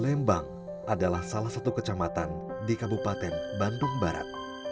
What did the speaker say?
lembang adalah salah satu kecamatan di kabupaten bandung barat